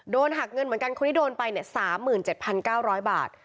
หักเงินเหมือนกันคนที่โดนไป๓๗๙๐๐บาท